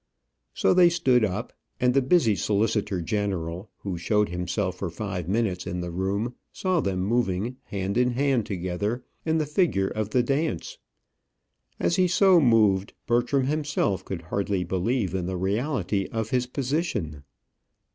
So they stood up; and the busy solicitor general, who showed himself for five minutes in the room, saw them moving, hand in hand together, in the figure of the dance. And as he so moved, Bertram himself could hardly believe in the reality of his position.